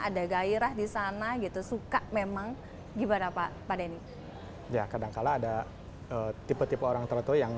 di sana gitu suka memang gimana pak denny ya kadangkala ada tipe tipe orang tertutup yang